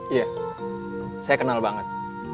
iya saya kenal banget